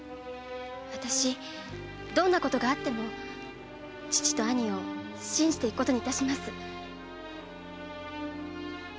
私どんなことがあっても父と兄を信じていくことにいたします。